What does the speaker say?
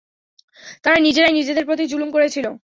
তারা নিজেরাই নিজেদের প্রতি জুলুম করেছিল।